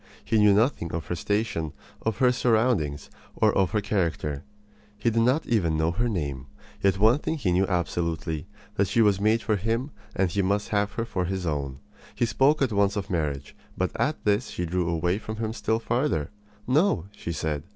He knew nothing of her station, of her surroundings, of her character. He did not even know her name. Yet one thing he knew absolutely that she was made for him and that he must have her for his own. He spoke at once of marriage; but at this she drew away from him still farther. "No," she said.